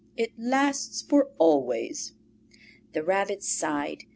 It lasts for always." The Rabbit sighed.